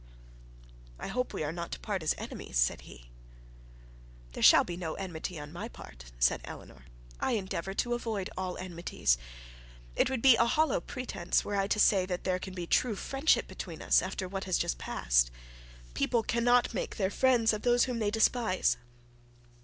'I hope we are not to part as enemies?' said he. 'There shall be no enmity on my part,' said Eleanor; 'I endeavour to avoid all enmities. It would be a hollow pretence were I to say that there can be a true friendship between us after what has just past. People cannot make their friends of those whom they despise.'